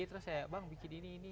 terus ya bang bikin ini ini